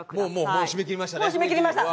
もう締め切りました！